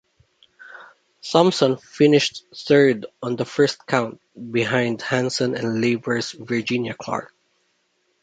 Thompson finished third on the first count, behind Hanson and Labor's Virginia Clarke.